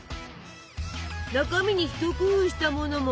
中身に一工夫したものも。